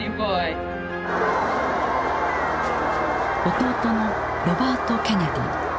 弟のロバート・ケネディ。